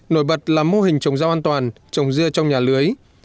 nổi bật làm mô hình trồng rau an toàn trồng rưa trong nhà lưới